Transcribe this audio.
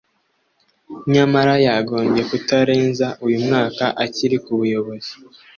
nyamara yagombye kutarenza uyu mwaka akiri ku buyobozi